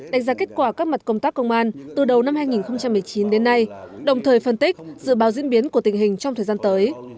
đánh giá kết quả các mặt công tác công an từ đầu năm hai nghìn một mươi chín đến nay đồng thời phân tích dự báo diễn biến của tình hình trong thời gian tới